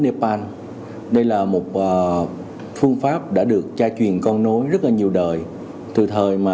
nepal đây là một phương pháp đã được tra truyền con nối rất là nhiều đời từ thời mà